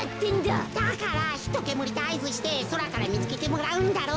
だからひとけむりであいずしてそらからみつけてもらうんだろ？